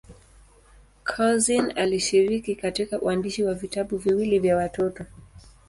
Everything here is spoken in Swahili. Couzyn alishiriki katika uandishi wa vitabu viwili vya watoto.